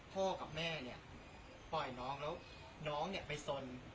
พ่อกับแม่ปล่อยน้องแล้วน้องไปสน